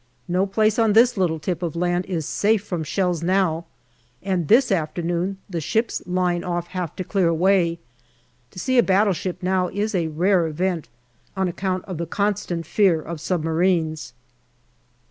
No place on this little tip of land is safe from shells now, and this afternoon the ships lying off have to clear away. To see a battleship now is a rare event, on account of the constant fear of submarines.